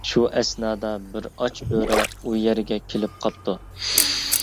شۇ ئەسنادا، بىر ئاچ بۆرە ئۇ يەرگە كېلىپ قاپتۇ.